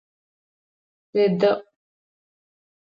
ШъуедэIу!